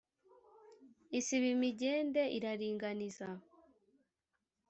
Isiba imigende iraringaniza.